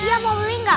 iya mau beli gak